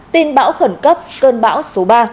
tin bão khẩn cấp cơn bão số ba